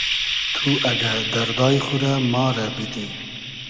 تو اگۂ دئردای خو رۂ ما رۂ بیدی